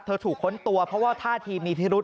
เธอถูกค้นตัวเพราะว่าท่าทีมีทิฤทธิ์